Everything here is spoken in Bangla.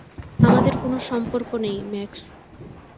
আমাদের কোনও সম্পর্ক নেই, ম্যাক্স।